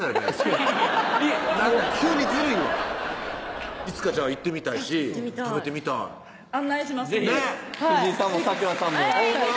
そう急にずるいわいつか行ってみたいし食べてみたい案内しますんで是非藤井さんも咲楽さんもほんま？